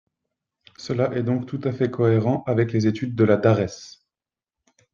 Cela est donc tout à fait cohérent avec les études de la DARES.